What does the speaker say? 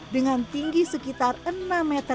dengan tinggi sekitar enam meter